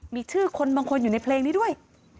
มีชื่อคนบางคนอยู่ในเพลงนี้ด้วย